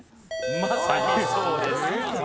まさにそうです。